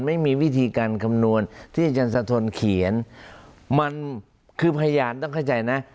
ไม่มีวิธีการคำนวณที่อาจารย์สะทนเขียนมันคือพยานต้องเข้าใจนะ